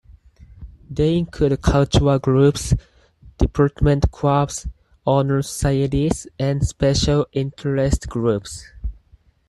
They include cultural groups, department clubs, honor societies, and special interest groups.